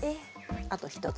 あと一つ。